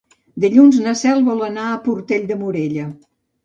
Dilluns na Cel vol anar a Portell de Morella.